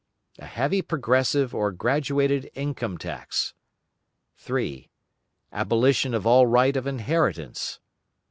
A heavy progressive or graduated income tax. 3. Abolition of all right of inheritance.